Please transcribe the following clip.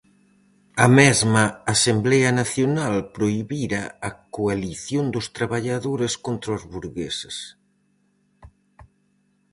A mesma Asemblea Nacional prohibira a coalición dos traballadores contra os burgueses.